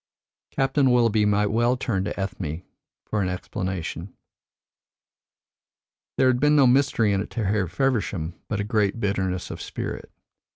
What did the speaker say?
Captain Willoughby might well turn to Ethne for an explanation. There had been no mystery in it to Harry Feversham, but a great bitterness of spirit.